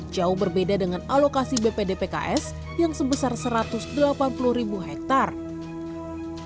jauh berbeda dengan alokasi bpdpks yang sebesar satu ratus delapan puluh ribu hektare